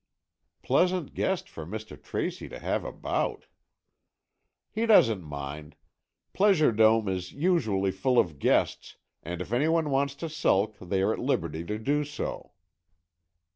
"Pleasant guest for Mr. Tracy to have about." "He doesn't mind. Pleasure Dome is usually full of guests and if any want to sulk they are at liberty to do so."